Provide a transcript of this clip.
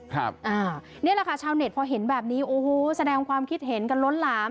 นี่แหละค่ะชาวเน็ตพอเห็นแบบนี้โอ้โหแสดงความคิดเห็นกันล้นหลาม